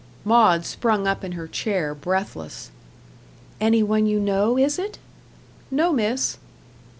Maud sprung up in her chair, breathless. "Any one you know, is it?" "No, Miss."